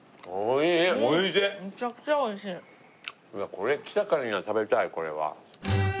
これ来たからには食べたいこれは。